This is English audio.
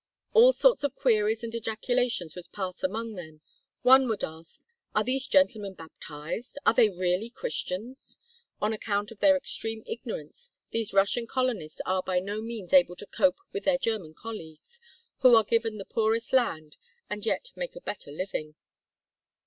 All sorts of queries and ejaculations would pass among them. One would ask: "Are these gentlemen baptized? Are they really Christians?" On account of their extreme ignorance these Russian colonists are by no means able to cope with their German colleagues, who are given the poorest land, and yet make a better living.